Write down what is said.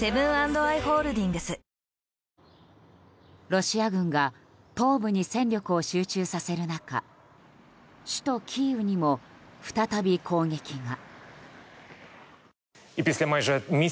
ロシア軍が東部に戦力を集中させる中首都キーウにも再び攻撃が。